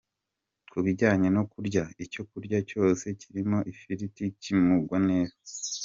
Ku bijyanye no kurya, icyo kurya cyose kirimo ifiriti kimugwa neza.